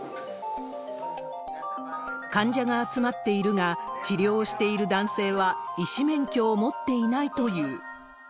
患者が集まっているが、治療をしている男性は医師免許を持っていないという。